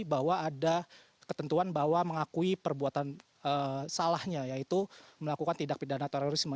bahwa ada ketentuan bahwa mengakui perbuatan salahnya yaitu melakukan tindak pidana terorisme